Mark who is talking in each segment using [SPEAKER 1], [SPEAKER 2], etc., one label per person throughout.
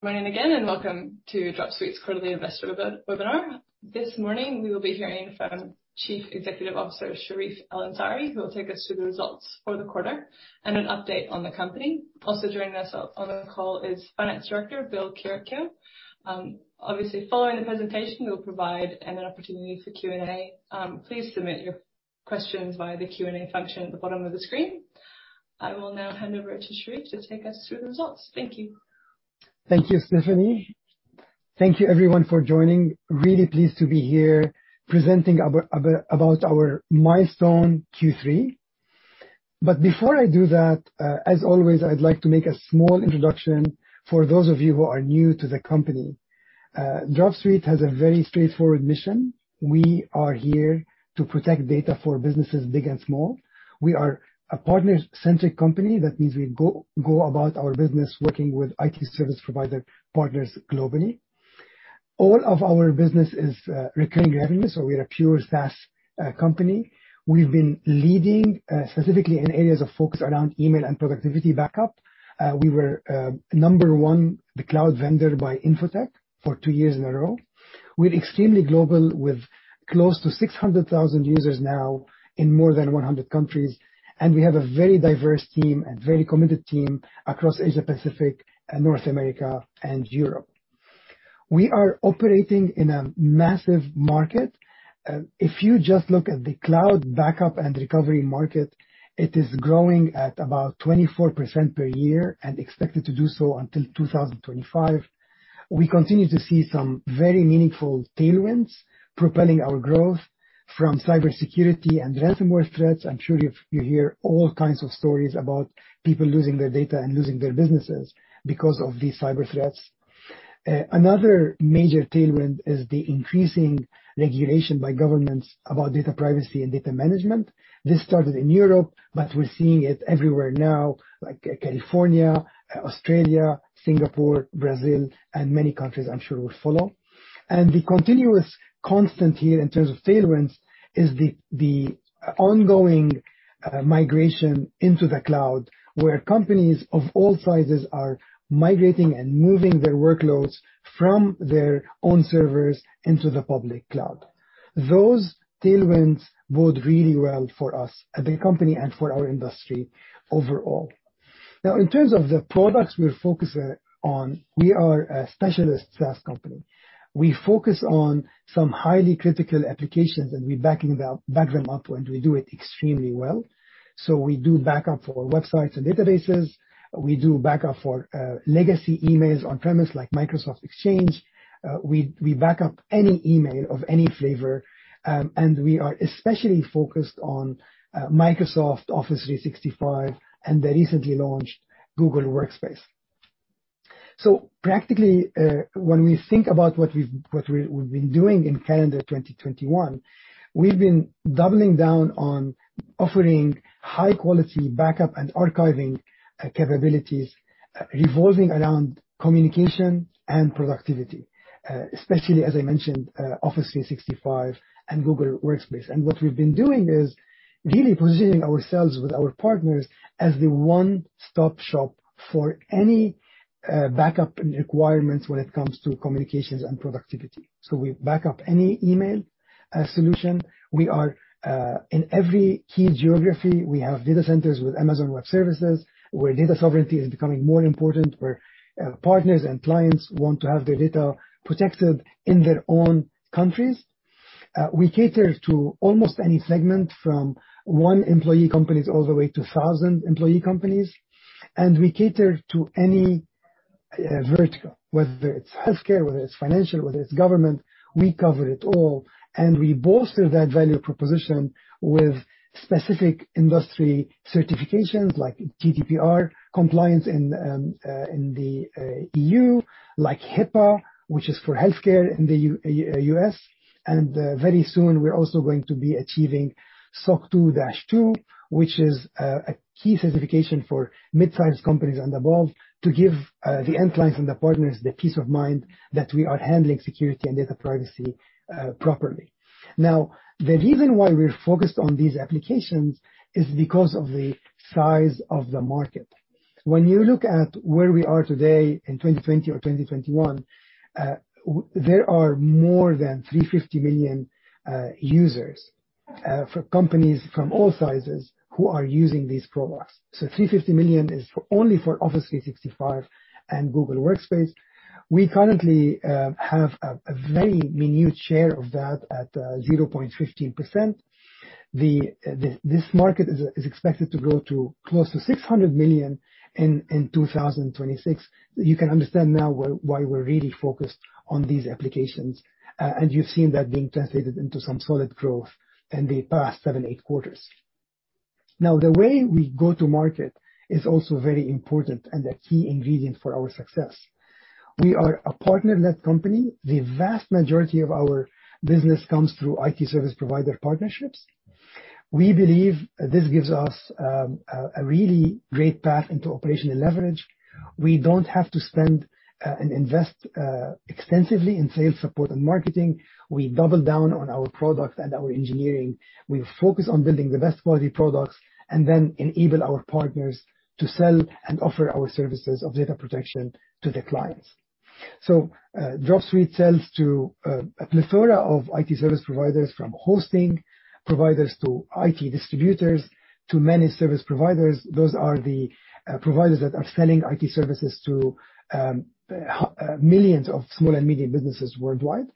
[SPEAKER 1] Morning again, welcome to Dropsuite's Quarterly Investor Webinar. This morning, we will be hearing from Chief Executive Officer, Charif El-Ansari, who will take us through the results for the quarter and an update on the company. Also joining us on the call is Finance Director Bill Kyriacou. Obviously, following the presentation, we'll provide an opportunity for Q&A. Please submit your questions via the Q&A function at the bottom of the screen. I will now hand over to Charif to take us through the results. Thank you.
[SPEAKER 2] Thank you, Stephanie. Thank you everyone for joining. Really pleased to be here presenting about our milestone Q3. Before I do that, as always, I'd like to make a small introduction for those of you who are new to the company. Dropsuite has a very straightforward mission. We are here to protect data for businesses, big and small. We are a partner-centric company. That means we go about our business working with IT service provider partners globally. All of our business is recurring revenue, so we are a pure SaaS company. We've been leading, specifically in areas of focus around email and productivity backup. We were number one, the cloud vendor by Info-Tech for two years in a row. We're extremely global, with close to 600,000 users now in more than 100 countries, and we have a very diverse team and very committed team across Asia Pacific and North America and Europe. We are operating in a massive market. If you just look at the cloud backup and recovery market, it is growing at about 24% per year and expected to do so until 2025. We continue to see some very meaningful tailwinds propelling our growth from cybersecurity and ransomware threats. I'm sure you hear all kinds of stories about people losing their data and losing their businesses because of these cyber threats. Another major tailwind is the increasing regulation by governments about data privacy and data management. This started in Europe, but we're seeing it everywhere now, like California, Australia, Singapore, Brazil, and many countries I'm sure will follow. The continuous constant here in terms of tailwinds is the ongoing migration into the cloud, where companies of all sizes are migrating and moving their workloads from their own servers into the public cloud. Those tailwinds bode really well for us as a company and for our industry overall. In terms of the products we're focusing on, we are a specialist SaaS company. We focus on some highly critical applications, and we back them up, and we do it extremely well. We do backup for websites and databases. We do backup for legacy emails on-premise, like Microsoft Exchange. We back up any email of any flavor. We are especially focused on Microsoft Office 365 and the recently launched Google Workspace. Practically, when we think about what we've been doing in calendar 2021, we've been doubling down on offering high-quality backup and archiving capabilities revolving around communication and productivity. Especially, as I mentioned, Office 365 and Google Workspace. What we've been doing is really positioning ourselves with our partners as the one-stop shop for any backup and requirements when it comes to communications and productivity. We back up any email solution. We are in every key geography. We have data centers with Amazon Web Services, where data sovereignty is becoming more important, where partners and clients want to have their data protected in their own countries. We cater to almost any segment, from 1 employee companies all the way to 1,000 employee companies, and we cater to any vertical, whether it's healthcare, whether it's financial, whether it's government, we cover it all. We bolster that value proposition with specific industry certifications like GDPR compliance in the EU. Like HIPAA, which is for healthcare in the U.S. Very soon, we're also going to be achieving SOC 2 Type 2, which is a key certification for mid-size companies and above to give the end clients and the partners the peace of mind that we are handling security and data privacy properly. Now, the reason why we're focused on these applications is because of the size of the market. When you look at where we are today in 2020 or 2021, there are more than 350 million users for companies from all sizes who are using these products. 350 million is only for Office 365 and Google Workspace. We currently have a very minute share of that at 0.15%. This market is expected to grow to close to 600 million in 2026. You can understand now why we're really focused on these applications. You've seen that being translated into some solid growth in the past seven, eight quarters. Now, the way we go to market is also very important and a key ingredient for our success. We are a partner-led company. The vast majority of our business comes through IT service provider partnerships. We believe this gives us a really great path into operational leverage. We don't have to spend and invest extensively in sales support and marketing. We double down on our product and our engineering. We focus on building the best quality products, then enable our partners to sell and offer our services of data protection to the clients. Dropsuite sells to a plethora of IT service providers, from hosting providers to IT distributors to managed service providers. Those are the providers that are selling IT services to millions of small and medium businesses worldwide.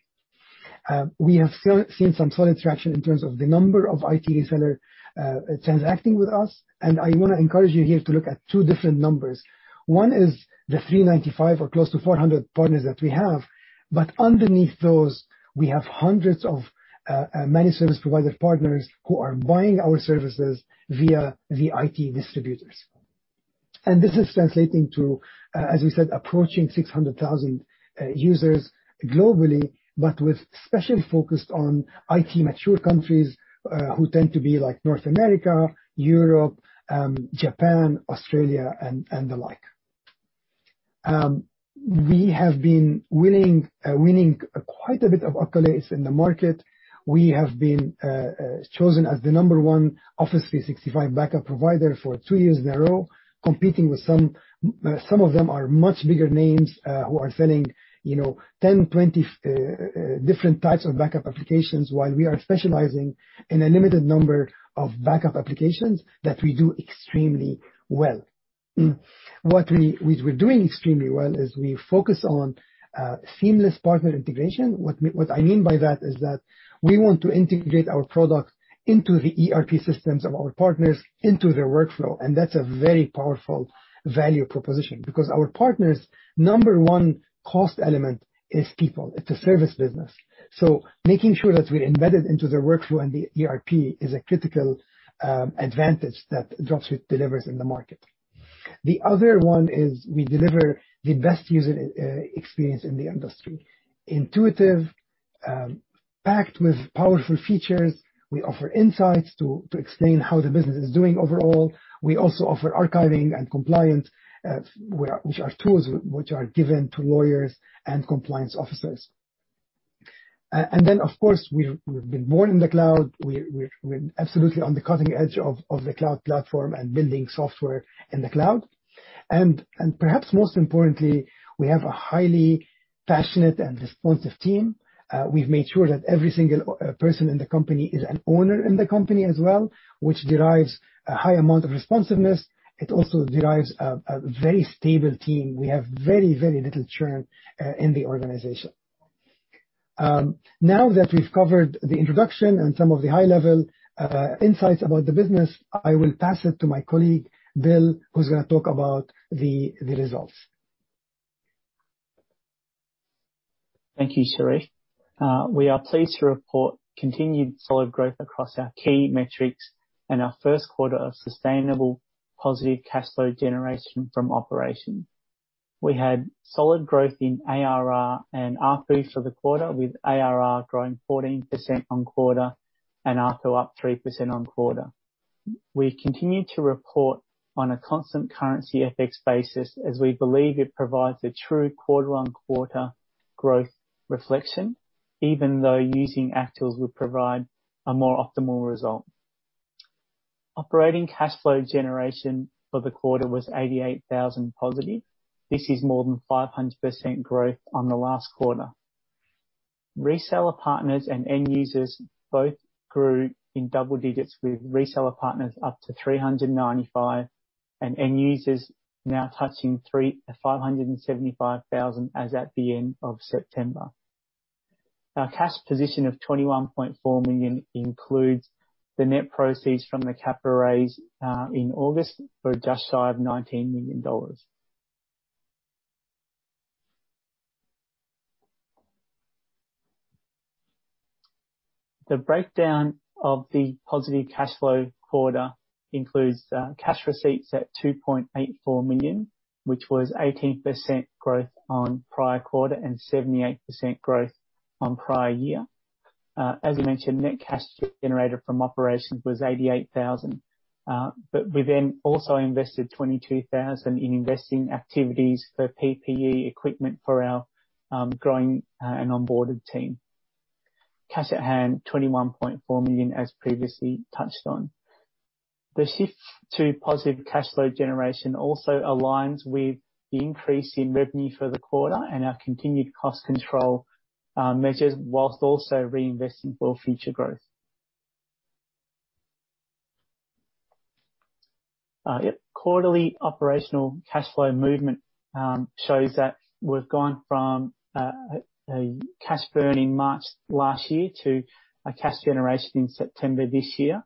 [SPEAKER 2] We have seen some solid traction in terms of the number of IT reseller transacting with us. I want to encourage you here to look at two different numbers. One is the 395 or close to 400 partners that we have. Underneath those, we have hundreds of Managed Service Provider partners who are buying our services via the IT distributors. This is translating to, as we said, approaching 600,000 users globally, with special focus on IT mature countries who tend to be like North America, Europe, Japan, Australia and the like. We have been winning quite a bit of accolades in the market. We have been chosen as the number one Office 365 Backup provider for two years in a row, competing with some of them are much bigger names who are selling 10, 20 different types of backup applications, while we are specializing in a limited number of backup applications that we do extremely well. What we're doing extremely well is we focus on seamless partner integration. What I mean by that is that we want to integrate our product into the ERP systems of our partners, into their workflow. That's a very powerful value proposition because our partners' number one cost element is people. It's a service business. Making sure that we're embedded into their workflow and the ERP is a critical advantage that Dropsuite delivers in the market. The other one is we deliver the best user experience in the industry, intuitive, packed with powerful features. We offer insights to explain how the business is doing overall. We also offer archiving and compliance, which are tools which are given to lawyers and compliance officers. Of course, we've been born in the cloud. We're absolutely on the cutting edge of the cloud platform and building software in the cloud. Perhaps most importantly, we have a highly passionate and responsive team. We've made sure that every single person in the company is an owner in the company as well, which derives a high amount of responsiveness. It also derives a very stable team. We have very little churn in the organization. Now that we've covered the introduction and some of the high level insights about the business, I will pass it to my colleague, Bill, who's going to talk about the results.
[SPEAKER 3] Thank you, Charif. We are pleased to report continued solid growth across our key metrics and our first quarter of sustainable positive cash flow generation from operations. We had solid growth in ARR and ARPU for the quarter, with ARR growing 14% on quarter and ARPU up 3% on quarter. We continue to report on a constant currency FX basis as we believe it provides a true quarter-over-quarter growth reflection, even though using actuals would provide a more optimal result. Operating cash flow generation for the quarter was 88,000 positive. This is more than 500% growth on the last quarter. Reseller partners and end users both grew in double digits, with reseller partners up to 395 and end users now touching 575,000 as at the end of September. Our cash position of AUD 21.4 million includes the net proceeds from the cap raise in August for just shy of 19 million dollars. The breakdown of the positive cash flow quarter includes cash receipts at 2.84 million, which was 18% growth on prior quarter and 78% growth on prior year. As we mentioned, net cash generated from operations was 88,000. We then also invested 22,000 in investing activities for PPE equipment for our growing and onboarded team. Cash at hand, AUD 21.4 million, as previously touched on. The shift to positive cash flow generation also aligns with the increase in revenue for the quarter and our continued cost control measures, while also reinvesting for future growth. Quarterly operational cash flow movement shows that we've gone from a cash burn in March last year to a cash generation in September this year.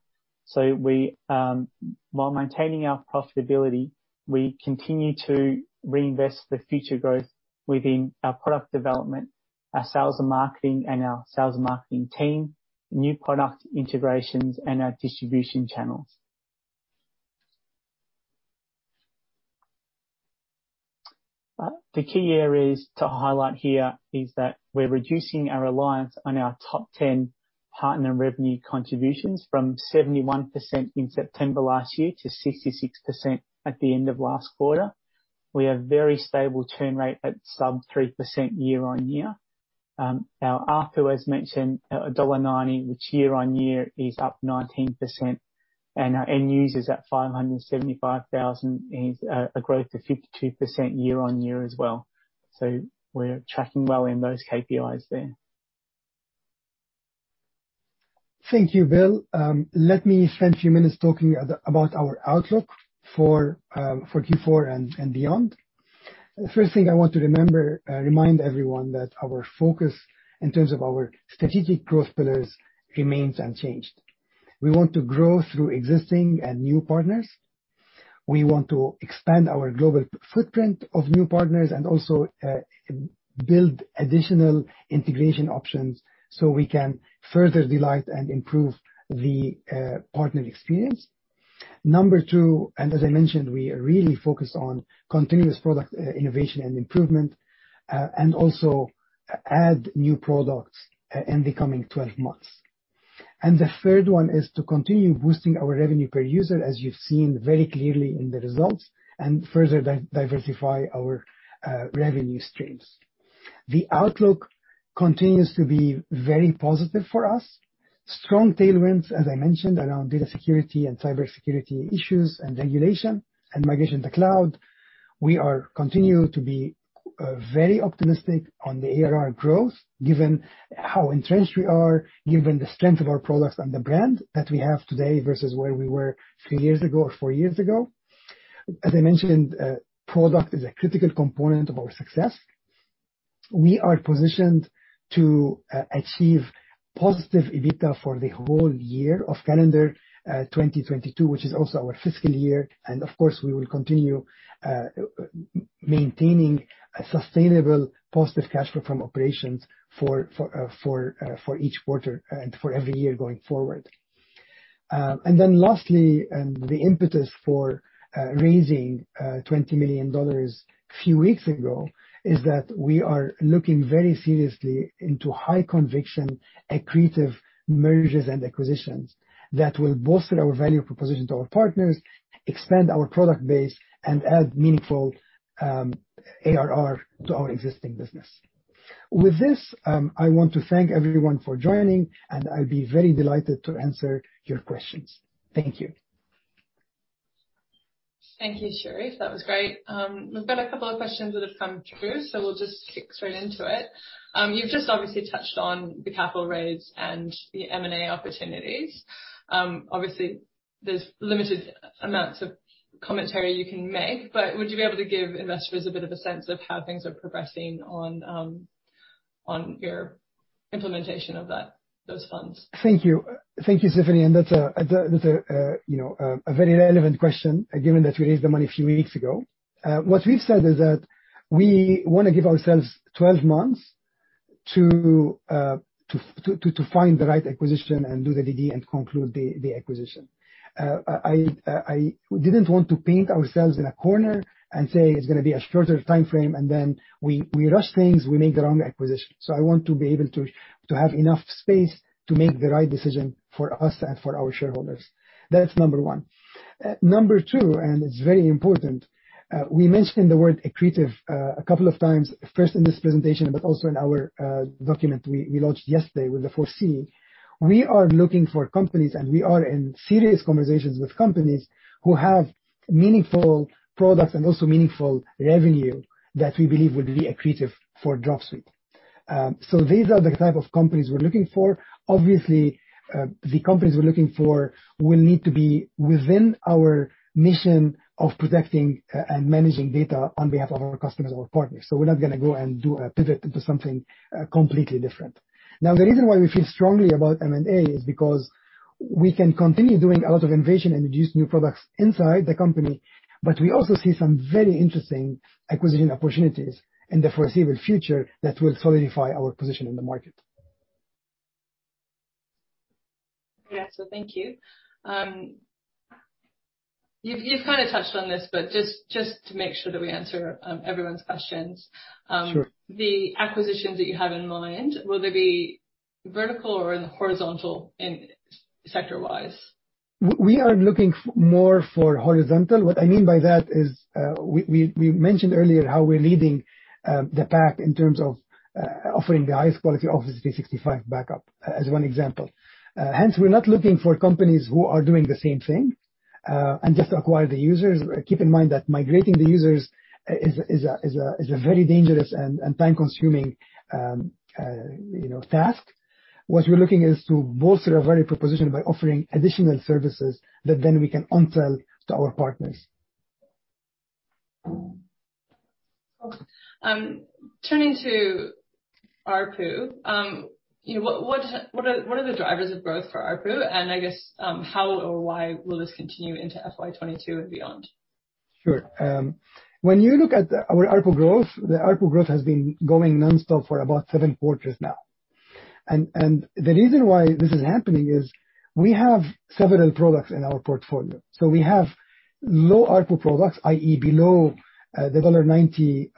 [SPEAKER 3] While maintaining our profitability, we continue to reinvest the future growth within our product development, our sales and marketing, and our sales and marketing team, new product integrations, and our distribution channels. The key areas to highlight here is that we're reducing our reliance on our top 10 partner revenue contributions from 71% in September last year to 66% at the end of last quarter. We have very stable churn rate at sub 3% year-on-year. Our ARPU, as mentioned, at dollar 1.90, which year-on-year is up 19%, and our end users at 575,000 is a growth of 52% year-on-year as well. We're tracking well in those KPIs there.
[SPEAKER 2] Thank you, Bill. Let me spend a few minutes talking about our outlook for Q4 and beyond. First thing I want to remind everyone that our focus in terms of our strategic growth pillars remains unchanged. We want to grow through existing and new partners. We want to expand our global footprint of new partners and also build additional integration options so we can further delight and improve the partner experience. Number two, and as I mentioned, we are really focused on continuous product innovation and improvement, and also add new products in the coming 12 months. The third one is to continue boosting our revenue per user, as you've seen very clearly in the results, and further diversify our revenue streams. The outlook continues to be very positive for us. Strong tailwinds, as I mentioned, around data security and cybersecurity issues and regulation and migration to cloud. We continue to be very optimistic on the ARR growth, given how entrenched we are, given the strength of our products and the brand that we have today versus where we were three years ago or four years ago. As I mentioned, product is a critical component of our success. We are positioned to achieve positive EBITDA for the whole year of calendar 2022, which is also our fiscal year. Of course, we will continue maintaining a sustainable positive cash flow from operations for each quarter and for every year going forward. Lastly, the impetus for raising 20 million dollars a few weeks ago is that we are looking very seriously into high conviction, accretive mergers and acquisitions that will bolster our value proposition to our partners, expand our product base, and add meaningful ARR to our existing business. With this, I want to thank everyone for joining, and I'll be very delighted to answer your questions. Thank you.
[SPEAKER 1] Thank you, Charif. That was great. We've got two questions that have come through. We'll just kick straight into it. You've just obviously touched on the capital raise and the M&A opportunities. There's limited amounts of commentary you can make, but would you be able to give investors a bit of a sense of how things are progressing on your implementation of those funds?
[SPEAKER 2] Thank you. Thank you, Stephanie. That's a very relevant question, given that we raised the money a few weeks ago. What we've said is that we want to give ourselves 12 months to find the right acquisition and do the DD and conclude the acquisition. I didn't want to paint ourselves in a corner and say it's going to be a shorter timeframe, and then we rush things, we make the wrong acquisition. I want to be able to have enough space to make the right decision for us and for our shareholders. That's number one. Number two, and it's very important, we mentioned the word accretive a couple of times, first in this presentation, but also in our document we launched yesterday with the 4(c). We are looking for companies, and we are in serious conversations with companies who have meaningful products and also meaningful revenue that we believe would be accretive for Dropsuite. These are the type of companies we're looking for. Obviously, the companies we're looking for will need to be within our mission of protecting and managing data on behalf of our customers or partners. We're not going to go and do a pivot into something completely different. Now, the reason why we feel strongly about M&A is because we can continue doing a lot of innovation and introduce new products inside the company, but we also see some very interesting acquisition opportunities in the foreseeable future that will solidify our position in the market.
[SPEAKER 1] Yeah. Thank you. You've kind of touched on this, but just to make sure that we answer everyone's questions.
[SPEAKER 2] Sure.
[SPEAKER 1] The acquisitions that you have in mind, will they be vertical or in horizontal in sector-wise?
[SPEAKER 2] We are looking more for horizontal. What I mean by that is, we mentioned earlier how we're leading the pack in terms of offering the highest quality Office 365 Backup as one example. Hence, we're not looking for companies who are doing the same thing, and just acquire the users. Keep in mind that migrating the users is a very dangerous and time-consuming task. What we're looking is to bolster our value proposition by offering additional services that then we can onsell to our partners.
[SPEAKER 1] Turning to ARPU. What are the drivers of growth for ARPU? I guess how or why will this continue into FY 2022 and beyond?
[SPEAKER 2] Sure. When you look at our ARPU growth, the ARPU growth has been going nonstop for about 7 quarters now. The reason why this is happening is we have several products in our portfolio. We have low ARPU products, i.e., below the dollar 1.90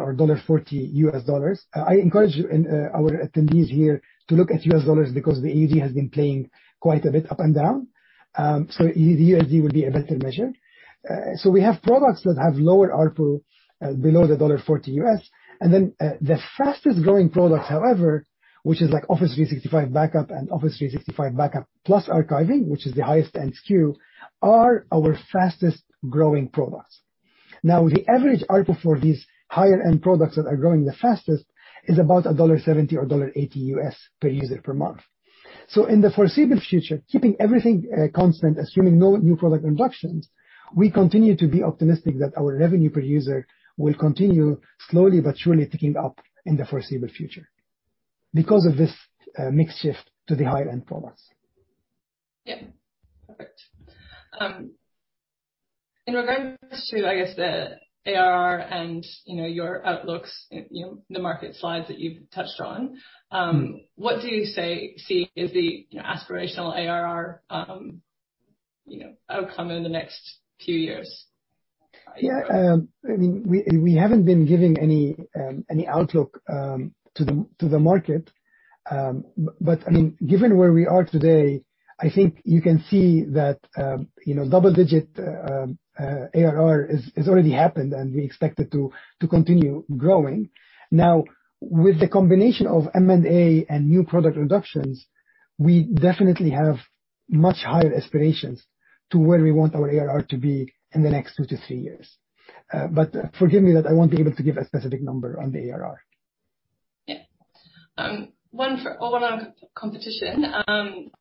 [SPEAKER 2] or $1.40 U.S. dollars. I encourage our attendees here to look at U.S. dollars because the AUD has been playing quite a bit up and down. The USD will be a better measure. We have products that have lower ARPU below the $1.40 U.S. The fastest-growing products, however, which is like Office 365 Backup and Office 365 Backup plus Archiving, which is the highest-end SKU, are our fastest-growing products. Now, the average ARPU for these higher-end products that are growing the fastest is about $1.70 or $1.80 U.S. per user, per month. In the foreseeable future, keeping everything constant, assuming no new product introductions, we continue to be optimistic that our revenue per user will continue slowly but surely ticking up in the foreseeable future because of this mix shift to the higher-end products.
[SPEAKER 1] Yeah. Perfect. In regards to, I guess, the ARR and your outlooks, the market slides that you've touched on, what do you say, see is the aspirational ARR outcome in the next few years?
[SPEAKER 2] Yeah. We haven't been giving any outlook to the market. Given where we are today, I think you can see that double-digit ARR has already happened, and we expect it to continue growing. With the combination of M&A and new product introductions, we definitely have much higher aspirations to where we want our ARR to be in the next two to three years. Forgive me that I won't be able to give a specific number on the ARR.
[SPEAKER 1] Yeah. One on competition.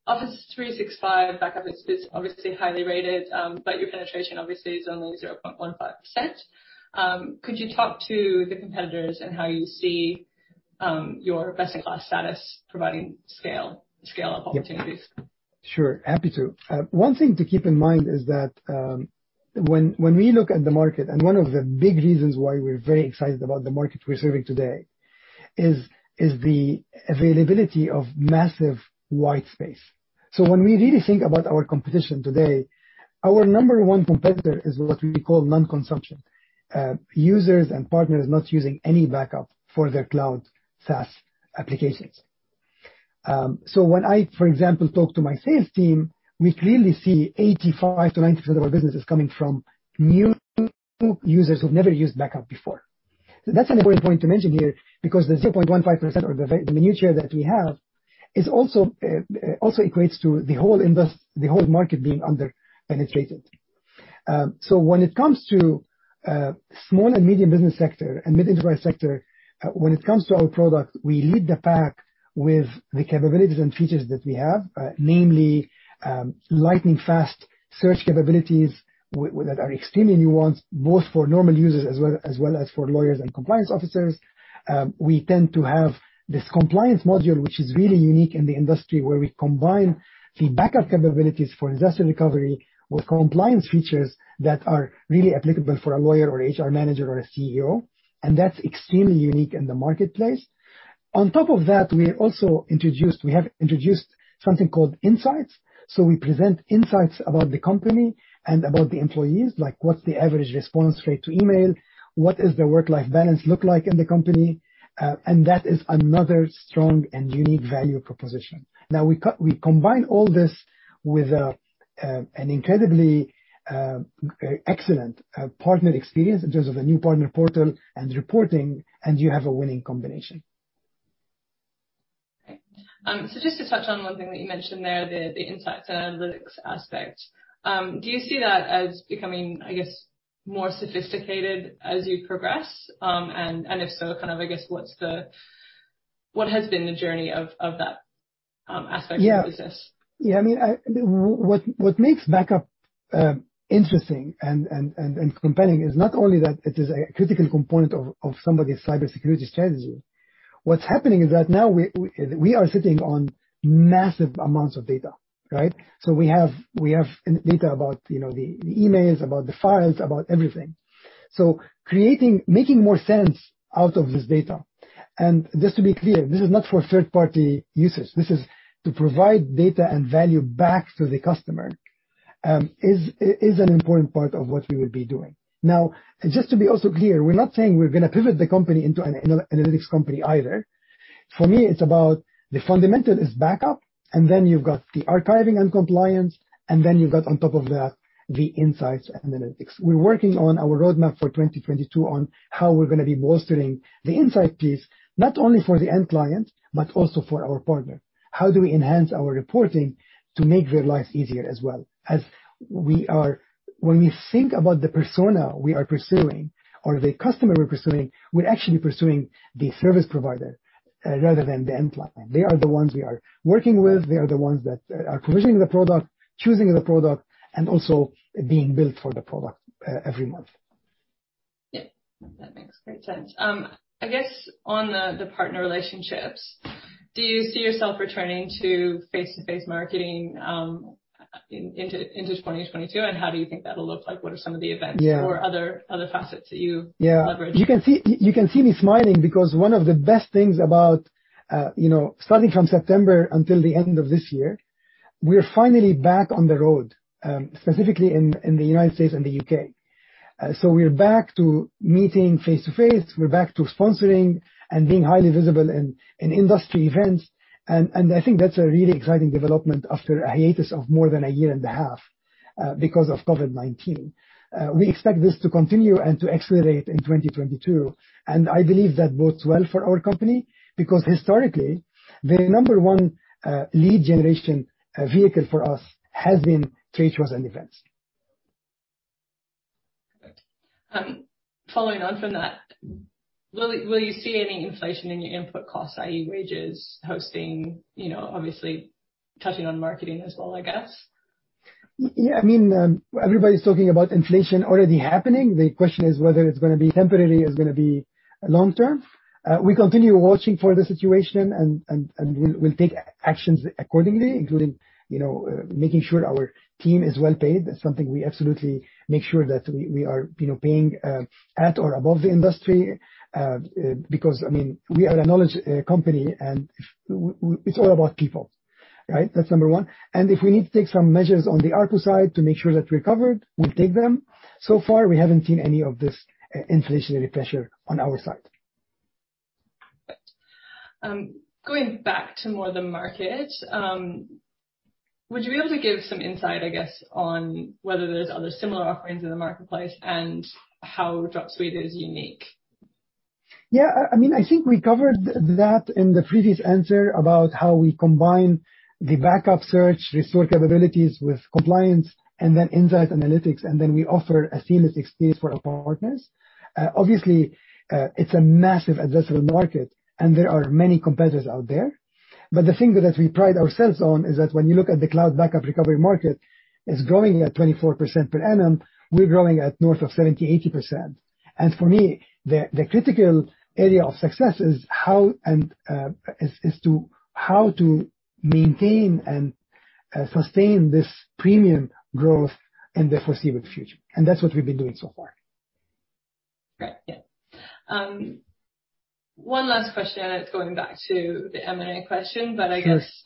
[SPEAKER 1] Office 365 Backup is obviously highly rated. Your penetration obviously is only 0.15%. Could you talk to the competitors and how you see your best-in-class status providing scale opportunities?
[SPEAKER 2] Sure. Happy to. One thing to keep in mind is that when we look at the market, one of the big reasons why we're very excited about the market we're serving today is the availability of massive white space. When we really think about our competition today, our number one competitor is what we call non-consumption. Users and partners not using any backup for their cloud SaaS applications. When I, for example, talk to my sales team, we clearly see 85%-90% of our business is coming from new users who've never used backup before. That's an important point to mention here, because the 0.15% or the minute share that we have also equates to the whole market being under-penetrated. When it comes to small and medium business sector and mid-enterprise sector, when it comes to our product, we lead the pack with the capabilities and features that we have. Namely, lightning-fast search capabilities that are extremely nuanced, both for normal users as well as for lawyers and compliance officers. We tend to have this compliance module, which is really unique in the industry, where we combine the backup capabilities for disaster recovery with compliance features that are really applicable for a lawyer or HR manager or a CEO, and that's extremely unique in the marketplace. On top of that, we have introduced something called Insights. We present insights about the company and about the employees, like what's the average response rate to email, what is the work-life balance look like in the company, and that is another strong and unique value proposition. We combine all this with an incredibly excellent partner experience in terms of the new partner portal and reporting, and you have a winning combination.
[SPEAKER 1] Great. Just to touch on one thing that you mentioned there, the insights analytics aspect. Do you see that as becoming, I guess, more sophisticated as you progress? If so, I guess, what has been the journey of that aspect of your business?
[SPEAKER 2] Yeah. What makes backup interesting and compelling is not only that it is a critical component of somebody's cybersecurity strategy. What's happening is that now we are sitting on massive amounts of data, right? We have data about the emails, about the files, about everything. Making more sense out of this data. Just to be clear, this is not for third-party usage. This is to provide data and value back to the customer, is an important part of what we will be doing. Now, just to be also clear, we're not saying we're going to pivot the company into an analytics company either. For me, it's about the fundamental is backup, and then you've got the archiving and compliance, and then you've got on top of that, the insights and analytics. We're working on our roadmap for 2022 on how we're going to be bolstering the Insights BI, not only for the end client, but also for our partner. How do we enhance our reporting to make their lives easier as well? When we think about the persona we are pursuing or the customer we're pursuing, we're actually pursuing the service provider rather than the end client. They are the ones we are working with. They are the ones that are provisioning the product, choosing the product, and also being billed for the product every month.
[SPEAKER 1] Yeah. That makes great sense. I guess on the partner relationships, do you see yourself returning to face-to-face marketing into 2022? How do you think that'll look like? What are some of the events?
[SPEAKER 2] Yeah.
[SPEAKER 1] Other facets that you leverage?
[SPEAKER 2] Yeah. You can see me smiling because one of the best things about, starting from September until the end of this year, we're finally back on the road, specifically in the U.S. and the U.K. We're back to meeting face-to-face, we're back to sponsoring and being highly visible in industry events, and I think that's a really exciting development after a hiatus of more than a year and a half, because of COVID-19. We expect this to continue and to accelerate in 2022, and I believe that bodes well for our company because historically, the number one lead generation vehicle for us has been trade shows and events.
[SPEAKER 1] Good. Following on from that, will you see any inflation in your input costs, i.e. wages, hosting, obviously touching on marketing as well, I guess?
[SPEAKER 2] Everybody's talking about inflation already happening. The question is whether it's going to be temporary or it's going to be long-term. We continue watching for the situation. We'll take actions accordingly, including making sure our team is well paid. That's something we absolutely make sure that we are paying at or above the industry, because we are a knowledge company, and it's all about people. That's number one. If we need to take some measures on the ARPU side to make sure that we're covered, we'll take them. So far, we haven't seen any of this inflationary pressure on our side.
[SPEAKER 1] Good. Going back to more the market, would you be able to give some insight, I guess, on whether there's other similar offerings in the marketplace and how Dropsuite is unique?
[SPEAKER 2] Yeah. I think we covered that in the previous answer about how we combine the backup search restore capabilities with compliance and then insight analytics, and then we offer a seamless experience for our partners. Obviously, it's a massive addressable market, and there are many competitors out there. The thing that we pride ourselves on is that when you look at the cloud backup recovery market, it's growing at 24% per annum. We're growing at north of 70%-80%. For me, the critical area of success is how to maintain and sustain this premium growth in the foreseeable future. That's what we've been doing so far.
[SPEAKER 1] Great. Yeah. One last question, and it's going back to the M&A question.
[SPEAKER 2] Sure.
[SPEAKER 1] I guess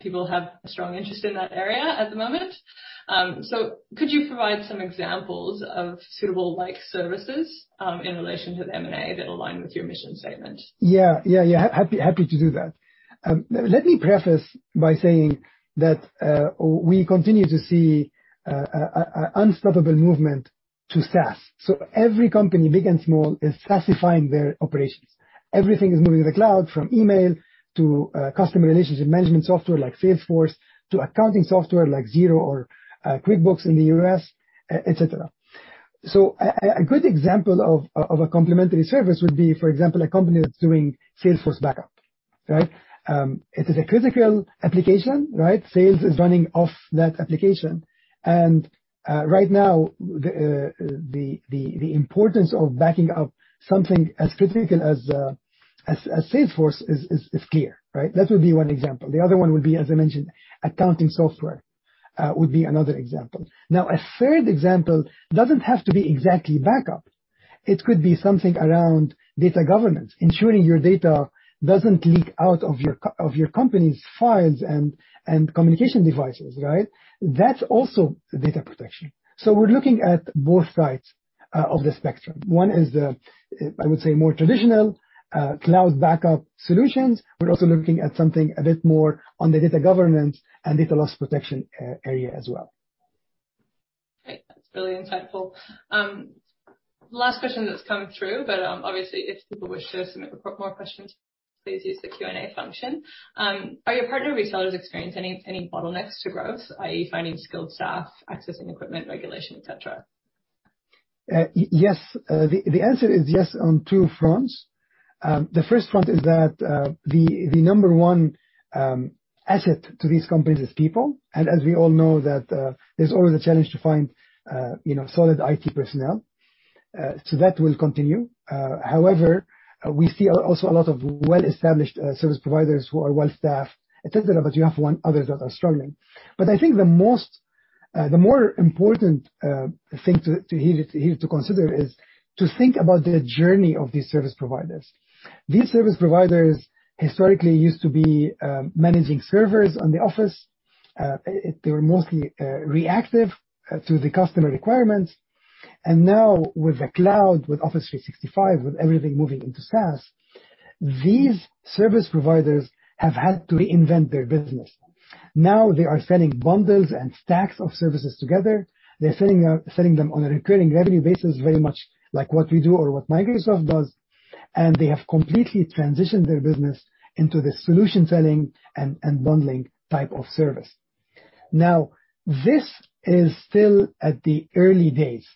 [SPEAKER 1] people have a strong interest in that area at the moment. Could you provide some examples of suitable like services, in relation to the M&A that align with your mission statement?
[SPEAKER 2] Yeah. Happy to do that. Let me preface by saying that we continue to see an unstoppable movement to SaaS. Every company, big and small, is SaaSifying their operations. Everything is moving to the cloud, from email to customer relationship management software like Salesforce to accounting software like Xero or QuickBooks in the U.S., et cetera. A good example of a complementary service would be, for example, a company that's doing Salesforce backup. It is a critical application. Sales is running off that application. Right now, the importance of backing up something as critical as Salesforce is clear. That would be one example. The other one would be, as I mentioned, accounting software, would be another example. A third example doesn't have to be exactly backup. It could be something around data governance, ensuring your data doesn't leak out of your company's files and communication devices. That's also data protection. We're looking at both sides of the spectrum. One is the, I would say, more traditional cloud backup solutions, but also looking at something a bit more on the data governance and data loss protection area as well.
[SPEAKER 1] Great. That's really insightful. Last question that's come through, but obviously, if people wish to submit more questions, please use the Q&A function. Are your partner resellers experiencing any bottlenecks to growth, i.e. finding skilled staff, accessing equipment, regulation, et cetera?
[SPEAKER 2] Yes. The answer is yes on two fronts. The first front is that the number one asset to these companies is people, and as we all know that there's always a challenge to find solid IT personnel. That will continue. However, we see also a lot of well-established service providers who are well-staffed, et cetera, but you have others that are struggling. I think the more important thing here to consider is to think about the journey of these service providers. These service providers historically used to be managing servers on the office. They were mostly reactive to the customer requirements. Now with the cloud, with Office 365, with everything moving into SaaS, these service providers have had to reinvent their business. Now they are selling bundles and stacks of services together. They're selling them on a recurring revenue basis, very much like what we do or what Microsoft does. They have completely transitioned their business into this solution selling and bundling type of service. This is still at the early days.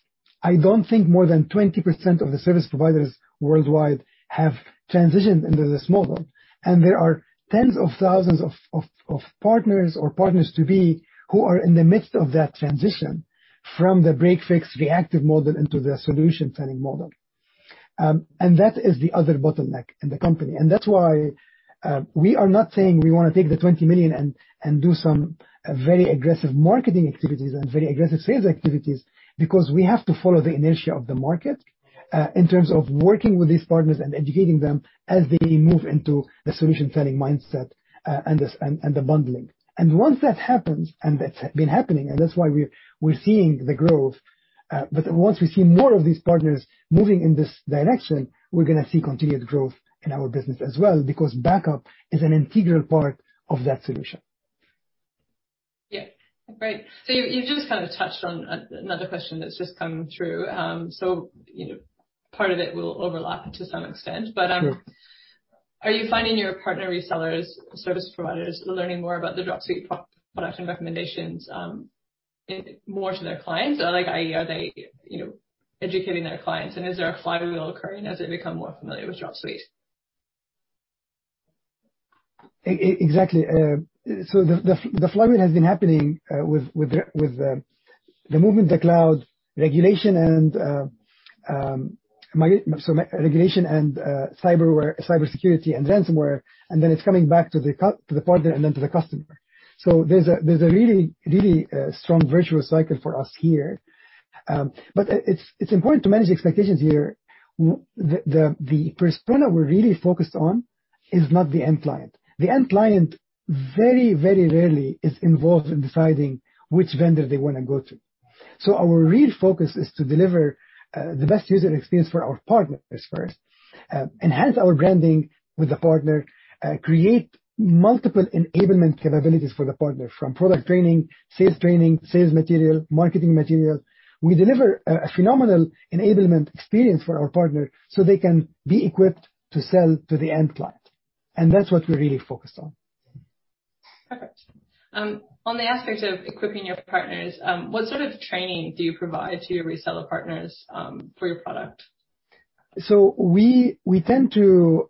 [SPEAKER 2] I don't think more than 20% of the service providers worldwide have transitioned into this model. There are tens of thousands of partners or partners to-be who are in the midst of that transition from the break-fix reactive model into the solution-selling model. That is the other bottleneck in the company. That's why we are not saying we want to take the 20 million and do some very aggressive marketing activities and very aggressive sales activities, because we have to follow the inertia of the market, in terms of working with these partners and educating them as they move into the solution-selling mindset and the bundling. Once that happens, and that's been happening, and that's why we're seeing the growth, but once we see more of these partners moving in this direction, we're going to see continued growth in our business as well, because backup is an integral part of that solution.
[SPEAKER 1] Yeah. Great. You've just touched on another question that's just come through. Part of it will overlap to some extent.
[SPEAKER 2] Sure.
[SPEAKER 1] Are you finding your partner resellers, service providers, learning more about the Dropsuite product and recommendations, more to their clients? Are they educating their clients and is there a flywheel occurring as they become more familiar with Dropsuite?
[SPEAKER 2] Exactly. The flywheel has been happening with the movement to cloud, regulation and cybersecurity and ransomware, and then it's coming back to the partner and then to the customer. There's a really strong virtuous cycle for us here. It's important to manage expectations here. The persona we're really focused on is not the end client. The end client very rarely is involved in deciding which vendor they want to go to. Our real focus is to deliver the best user experience for our partners first, enhance our branding with the partner, create multiple enablement capabilities for the partner, from product training, sales training, sales material, marketing material. We deliver a phenomenal enablement experience for our partner so they can be equipped to sell to the end client. That's what we're really focused on.
[SPEAKER 1] Perfect. On the aspect of equipping your partners, what sort of training do you provide to your reseller partners, for your product?
[SPEAKER 2] We tend to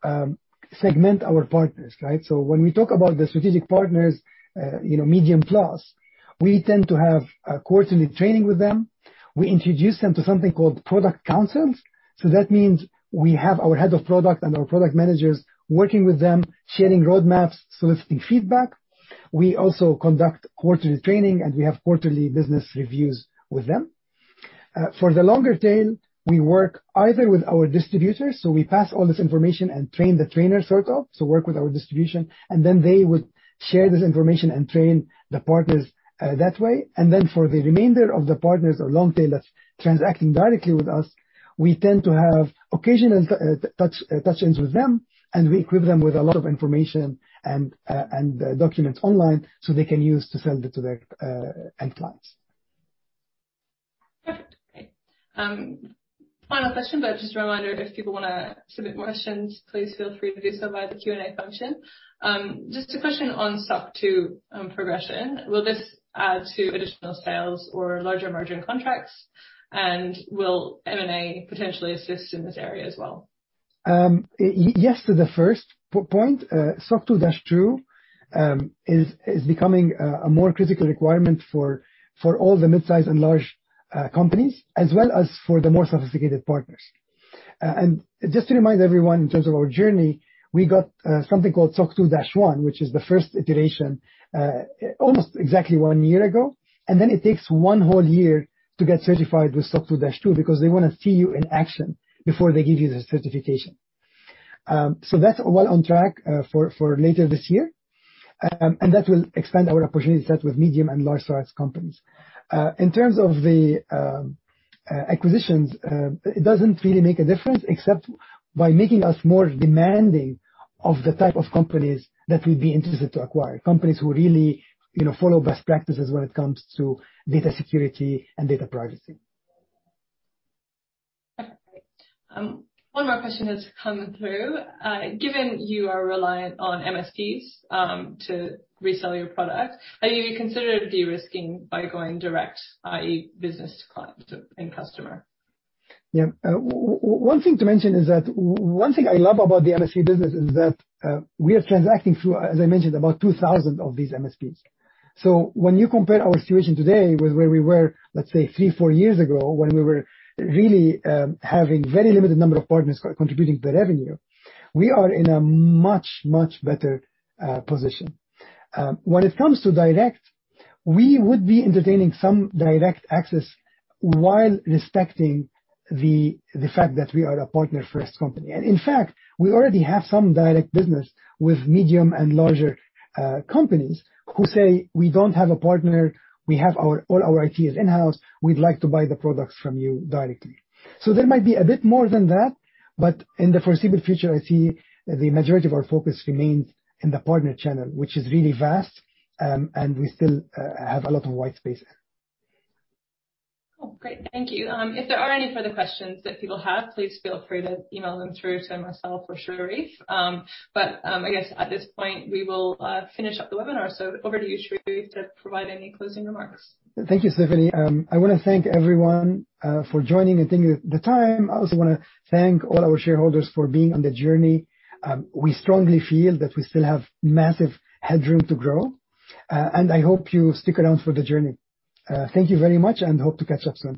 [SPEAKER 2] segment our partners. When we talk about the strategic partners, medium plus, we tend to have a quarterly training with them. We introduce them to something called product councils. That means we have our head of product and our product managers working with them, sharing roadmaps, soliciting feedback. We also conduct quarterly training, and we have quarterly business reviews with them. For the longer tail, we work either with our distributors, so we pass all this information and train the trainer sort of, so work with our distribution, and then they would share this information and train the partners that way. For the remainder of the partners or long tail that's transacting directly with us, we tend to have occasional touch-ins with them, and we equip them with a lot of information and documents online so they can use to sell it to their end clients.
[SPEAKER 1] Perfect. Great. Final question. Just a reminder, if people want to submit more questions, please feel free to do so via the Q&A function. Just a question on SOC 2 progression. Will this add to additional sales or larger emerging contracts? Will M&A potentially assist in this area as well?
[SPEAKER 2] Yes to the first point. SOC 2 Type 2 is becoming a more critical requirement for all the midsize and large companies, as well as for the more sophisticated partners. Just to remind everyone in terms of our journey, we got something called SOC 2 Type 1, which is the first iteration, almost exactly one year ago. Then it takes one whole year to get certified with SOC 2 Type 2 because they want to see you in action before they give you the certification. That's well on track for later this year. That will expand our opportunity set with medium and large size companies. In terms of the acquisitions, it doesn't really make a difference except by making us more demanding of the type of companies that we'd be interested to acquire. Companies who really follow best practices when it comes to data security and data privacy.
[SPEAKER 1] Okay, great. One more question has come through. Given you are reliant on MSPs to resell your product, have you considered de-risking by going direct, i.e., business to end customer?
[SPEAKER 2] Yeah. One thing to mention is that, one thing I love about the MSP business is that we are transacting through, as I mentioned, about 2,000 of these MSPs. When you compare our situation today with where we were, let's say three, four years ago, when we were really having very limited number of partners contributing to the revenue, we are in a much better position. When it comes to direct, we would be entertaining some direct access while respecting the fact that we are a partner-first company. In fact, we already have some direct business with medium and larger companies who say, "We don't have a partner. We have all our IT is in-house. We'd like to buy the products from you directly. There might be a bit more than that, but in the foreseeable future, I see the majority of our focus remains in the partner channel, which is really vast, and we still have a lot of white space there.
[SPEAKER 1] Cool. Great. Thank you. If there are any further questions that people have, please feel free to email them through to myself or Charif. I guess at this point, we will finish up the webinar. Over to you, Charif, to provide any closing remarks.
[SPEAKER 2] Thank you, Stephanie. I want to thank everyone for joining and taking the time. I also want to thank all our shareholders for being on the journey. We strongly feel that we still have massive headroom to grow. I hope you stick around for the journey. Thank you very much and hope to catch up soon.